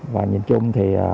và nhìn chung